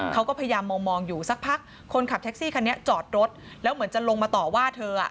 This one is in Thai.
เขาก็พยายามมองอยู่สักพักคนขับแท็กซี่คันนี้จอดรถแล้วเหมือนจะลงมาต่อว่าเธอ